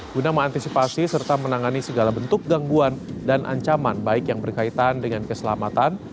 guna mengantisipasi serta menangani segala bentuk gangguan dan ancaman baik yang berkaitan dengan keselamatan